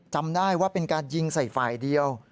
จำได้ว่าเป็นการยิงใส่ฝ่ายเดียว